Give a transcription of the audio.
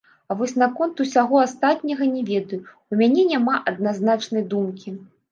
А вось наконт усяго астатняга не ведаю, у мяне няма адназначнай думкі.